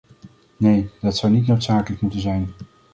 Nee, dat zou niet noodzakelijk moeten zijn.